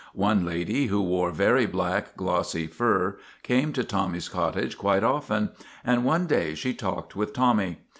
One lady, who wore very black, glossy fur, came to Tommy's cottage quite often, and one day she talked with Tommy.